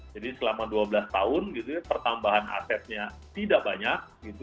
jadi selama dua belas tahun pertambahan asetnya tidak banyak